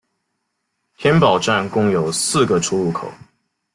天宝站共有四个出入口。